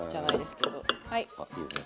あいいですね